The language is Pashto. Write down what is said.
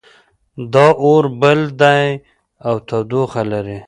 دا اور بل ده او تودوخه لري